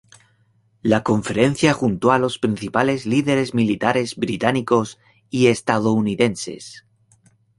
La conferencia juntó a los principales líderes militares británicos y estadounidenses.